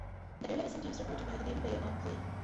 The area is sometimes referred to by the name Bay of Colwyn.